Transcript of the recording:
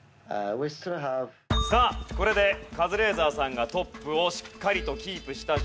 さあこれでカズレーザーさんがトップをしっかりとキープした状態。